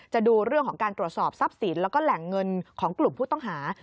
ดูเรื่องของการตรวจสอบทรัพย์สินแล้วก็แหล่งเงินของกลุ่มผู้ต้องหา